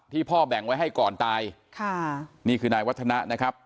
พ่อแบ่งไว้ให้ก่อนตายค่ะนี่คือนายวัฒนะนะครับ